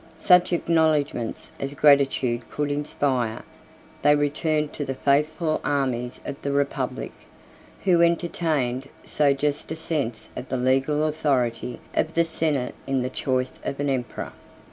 Such acknowledgments as gratitude could inspire, they returned to the faithful armies of the republic, who entertained so just a sense of the legal authority of the senate in the choice of an emperor.